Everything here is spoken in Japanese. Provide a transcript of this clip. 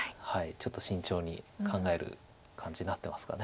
ちょっと慎重に考える感じになってますか。